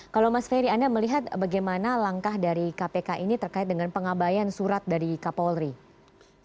kalau mas ferry anda melihat bagaimana langkah dari kpk ini terkait dengan pengabayan surat dari kapolri